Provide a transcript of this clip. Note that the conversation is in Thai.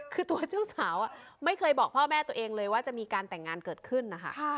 คือตัวเจ้าสาวไม่เคยบอกพ่อแม่ตัวเองเลยว่าจะมีการแต่งงานเกิดขึ้นนะคะ